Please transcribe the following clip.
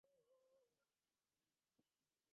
কবিবর, সাধু সাধু।